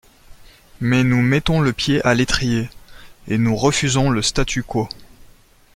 Mais nous mettons le pied à l’étrier, et nous refusons le statu quo.